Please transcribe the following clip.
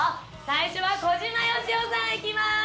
最初は小島よしおさんいきます。